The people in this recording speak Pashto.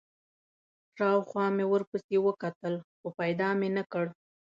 شاوخوا مې ورپسې وکتل، خو پیدا مې نه کړ.